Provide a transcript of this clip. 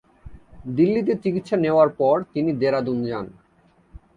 দিল্লিতে চিকিৎসা নেওয়ার পর তিনি দেরাদুন যান।